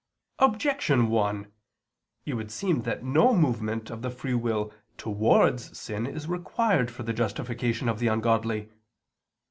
Objection 1: It would seem that no movement of the free will towards sin is required for the justification of the ungodly.